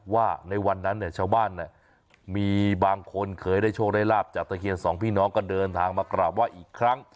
ว่าในวันนั้นเนี่ยชาวบ้านมีบางคนเคยได้โชคได้ลาบจากตะเคียนสองพี่น้องก็เดินทางมากราบไหว้อีกครั้ง